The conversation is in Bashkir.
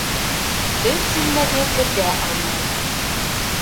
Көл сүлмәге көлдә аунай.